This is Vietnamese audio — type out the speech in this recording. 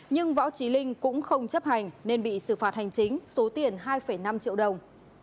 nhưng võ trí linh cũng không chấp hành nên bị xử phạt hành chính số tiền hai năm triệu đồng